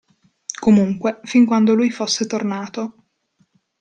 Comunque, fin quando lui fosse tornato.